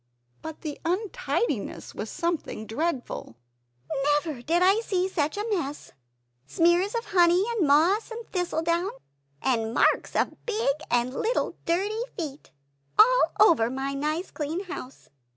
But the untidiness was something dreadful "Never did I see such a mess smears of honey; and moss, and thistledown and marks of big and little dirty feet all over my nice clean house!"